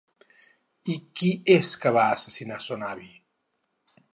I qui és que va assassinar son avi?